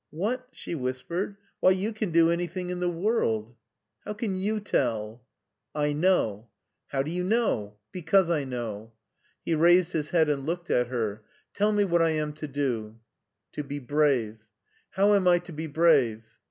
*' What !" she whispered ;" why, you can do any thing in the world." *' How can you tell ?" BERLIN 235 "I know/' " How do you know ?"Because I know/' He raised his head and looked at her. " Tell me what I am to do/' " To be brave/' " How am I to be brave